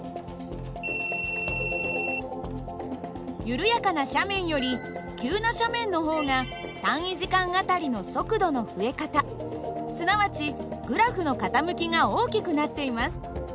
緩やかな斜面より急な斜面の方が単位時間あたりの速度の増え方すなわちグラフの傾きが大きくなっています。